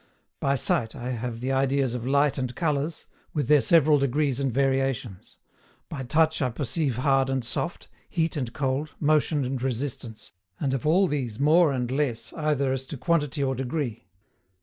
By sight I have the ideas of light and colours, with their several degrees and variations. By touch I perceive hard and soft, heat and cold, motion and resistance, and of all these more and less either as to quantity or degree.